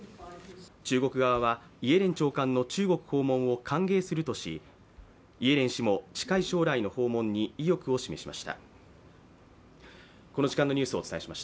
中国側はイエレン長官の中国訪問を歓迎するとしイエレン氏も近い将来の訪問に意欲を示しました。